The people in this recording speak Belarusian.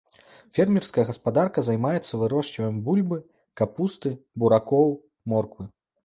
Фермерская гаспадарка займаецца вырошчваннем бульбы, капусты, буракоў, морквы.